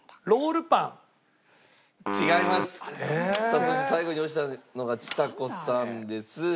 さあそして最後に押したのがちさ子さんです。